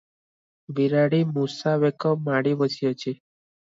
ବିରାଡ଼ି ମୂଷା ବେକ ମାଡ଼ି ବସିଅଛି ।